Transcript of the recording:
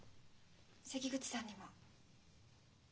関口さんにも。